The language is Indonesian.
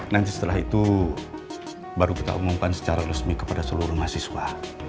nanti setelah itu baru kita umumkan secara resmi kepada seluruh mahasiswa